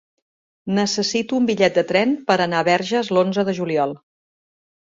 Necessito un bitllet de tren per anar a Verges l'onze de juliol.